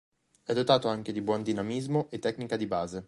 È dotato anche di buon dinamismo e tecnica di base.